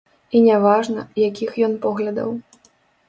І няважна, якіх ён поглядаў.